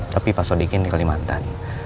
tapi pak sodikin di kalimantan